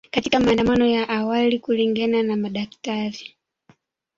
katika maandamano ya awali kulingana na madaktari